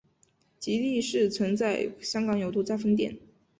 吉利市曾在香港有多家分店。